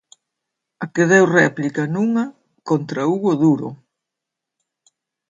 A que deu réplica nunha contra Hugo Duro.